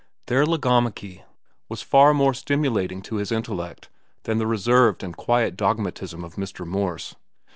Their logomachy was far more stimulating to his intellect than the reserved and quiet dogmatism of Mr. Morse.